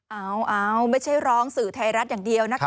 ไม่ใช่ร้องสื่อไทยรัฐอย่างเดียว